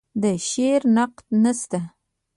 د شعر نقد نشته